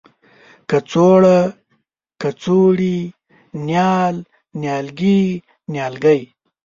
کڅوړه ، کڅوړې ،نیال، نيالګي، نیالګی